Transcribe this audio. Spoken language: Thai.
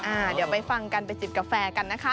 เดี๋ยวไปฟังกันไปจิบกาแฟกันนะคะ